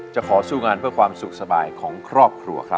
จะขอสู้งานสุขสบายของครอบครัว